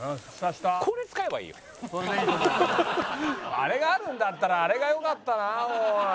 あれがあるんだったらあれがよかったなおい。